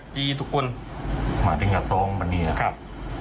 ยิงแน่ครับ